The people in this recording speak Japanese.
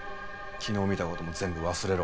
昨日見た事も全部忘れろ。